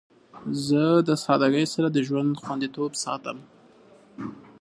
زه د سادگی سره د ژوند خوندیتوب ساتم.